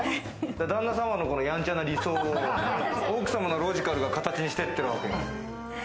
旦那様はやんちゃな理想を奥様のロジカルを形にしてっていう。